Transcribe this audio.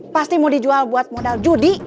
pasti mau dijual buat modal judi